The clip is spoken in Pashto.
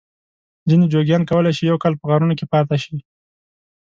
ځینې جوګیان کولای شي یو کال په غارونو کې پاته شي.